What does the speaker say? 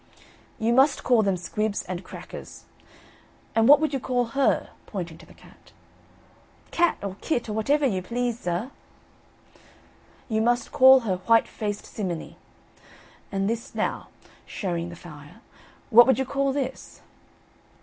"You must call them 'squibs and crackers.' And what would you call her?" pointing to the cat. "Cat or kit, or whatever you please, sir." "You must call her 'white faced simminy.' And this now," showing the fire, "what would you call this?"